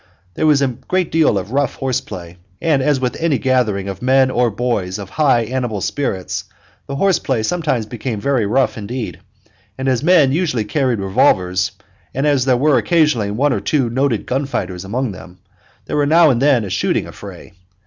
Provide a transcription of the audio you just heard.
There was a good deal of rough horse play, and, as with any other gathering of men or boys of high animal spirits, the horse play sometimes became very rough indeed; and as the men usually carried revolvers, and as there were occasionally one or two noted gun fighters among them, there was now and then a shooting affray.